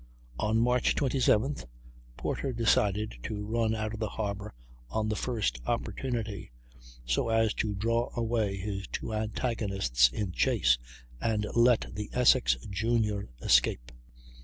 On March 27th Porter decided to run out of the harbor on the first opportunity, so as to draw away his two antagonists in chase, and let the Essex Junior escape.